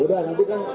udah nanti kan